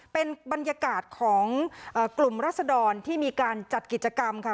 เป็นบรรยากาศของกลุ่มรัศดรที่มีการจัดกิจกรรมค่ะ